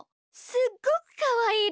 すっごくかわいいで。